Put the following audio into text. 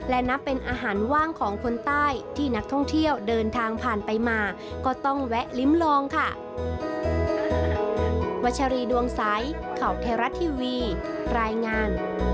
และนับเป็นอาหารว่างของคนใต้ที่นักท่องเที่ยวเดินทางผ่านไปมาก็ต้องแวะลิ้มลองค่ะ